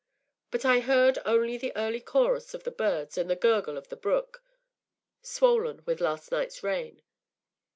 But I heard only the early chorus of the birds and the gurgle of the brook, swollen with last night's rain.